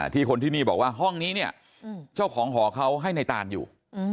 คนที่นี่บอกว่าห้องนี้เนี่ยเจ้าของหอเขาให้ในตานอยู่